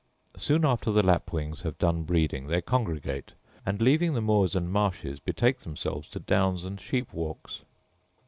Soon after the lapwings have done breeding they congregate, and, leaving the moors and marshes, betake themselves to downs and sheep walks.